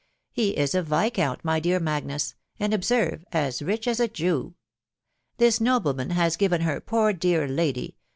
He is a viscount, my dear Magnus, and — observe — as rich as a Jew. This nobleman has given her, poor dear lady